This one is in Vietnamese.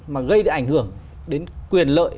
mà gây được ảnh hưởng đến quyền lợi